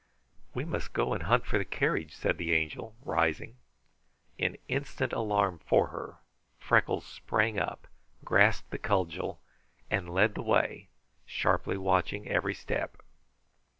"We must go and hunt for the carriage," said the Angel, rising. In instant alarm for her, Freckles sprang up, grasped the cudgel, and led the way, sharply watching every step.